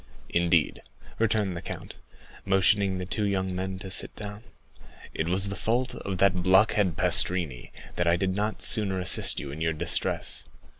"Indeed," returned the count, motioning the two young men to sit down. "It was the fault of that blockhead Pastrini, that I did not sooner assist you in your distress.